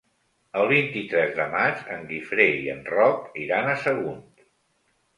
El vint-i-tres de maig en Guifré i en Roc iran a Sagunt.